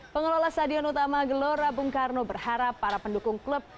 pengelola stadion utama gelora bung karno berharap para pendukung klub